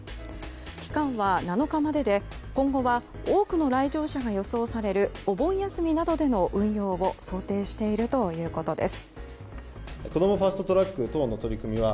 期間は７日までで今後は多くの来場者が予想されるお盆休みなどでの運用を想定しているということです。